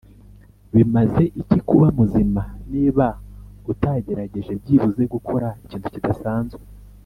"bimaze iki kuba muzima niba utagerageje byibuze gukora ikintu kidasanzwe?